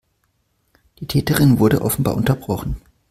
Die Täterin wurde offenbar unterbrochen.